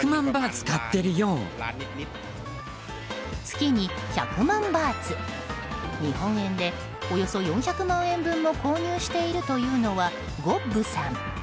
月に１００万バーツ日本円でおよそ４００万円分も購入しているというのはゴッブさん。